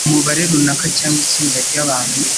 umubare runaka cyangwa itsinda ry'abantu